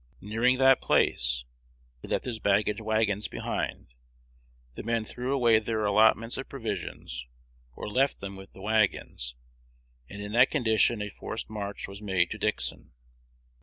Nearing that place, he left his baggage wagons behind: the men threw away their allotments of provisions, or left them with the wagons; and in that condition a forced march was made to Dixon.